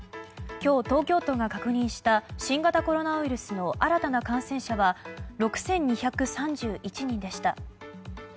今日、東京都が確認した新型コロナウイルスの新たな感染者は６２３１人でした。